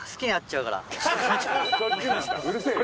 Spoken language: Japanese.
うるせえよ。